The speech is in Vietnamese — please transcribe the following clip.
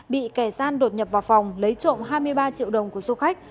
bị kẻ gian đột nhập vào phòng lấy trộm hai mươi ba triệu đồng của du khách